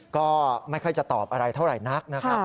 ก็ไม่ค่อยจะตอบอะไรเท่าไหร่นักนะครับ